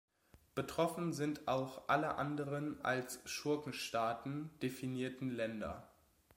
Betroffen sind auch alle anderen als Schurkenstaaten definierten Länder.